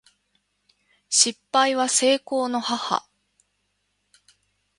失敗は成功の母